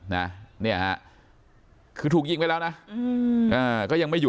ท่านดูเหตุการณ์ก่อนนะครับ